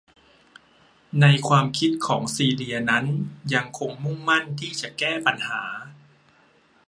ในความคิดของซีเลียนั้นยังคงมุ่งมั่นที่จะแก้ปัญหา